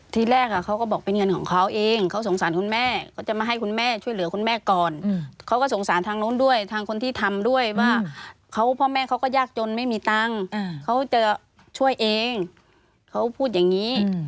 ทีแรกเขาก็บอกเป็นเงินของเขาเองเขาสงสารคุณแม่เขาจะมาให้คุณแม่ช่วยเหลือคุณแม่ก่อนเขาก็สงสารทางนู้นด้วยทางคนที่ทำด้วยว่าพ่อแม่เขาก็ยากจนไม่มีตังค์เขาจะช่วยเองเขาพูดอย่างนี้